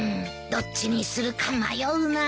どっちにするか迷うな。